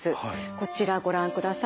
こちらご覧ください。